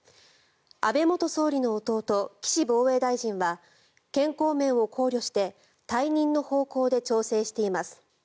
安倍元総理の弟岸防衛大臣は健康面を考慮して退任の方向で調整しています。